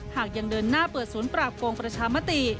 หากยังเดินหน้าเปิดศูนย์ปราบโกงประชามติ